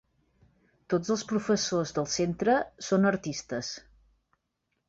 Tots els professors del centre són artistes.